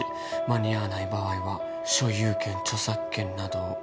「間に合わない場合は、所有権、著作権などを」